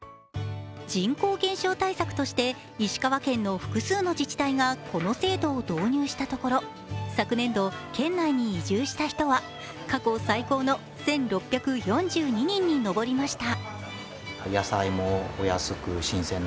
人口減少対策として石川県の複数の自治体がこの制度を導入したところ昨年度、県内に移住した人は過去最高の１６４２人に上りました。